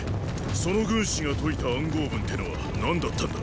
その軍師が解いた暗号文てのは何だったんだ！